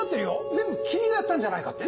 全部君がやったんじゃないかって。